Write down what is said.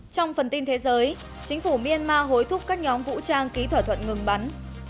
trong phần tin thế giới chính phủ myanmar hối thúc các nhóm vũ trang ký thỏa thuận ngừng bắn